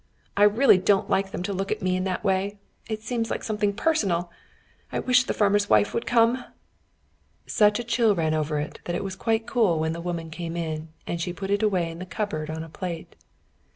I really don't like them to look at me in that way. It seems like something personal. I wish the farmer's wife would come." Such a chill ran over it, that it was quite cool when the woman came in, and she put it away in the cupboard on a plate.